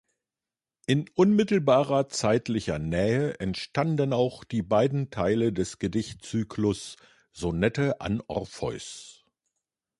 In unmittelbarer zeitlicher Nähe entstanden auch die beiden Teile des Gedichtzyklus’ "Sonette an Orpheus".